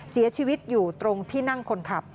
เสียชีวิตอยู่ตรงที่นั่งคนขับ